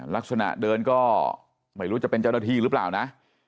ลักษณะเดินก็ไม่รู้จะเป็นเจ้าหน้าที่หรือเปล่านะ